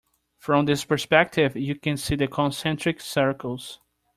From this perspective you can see the concentric circles.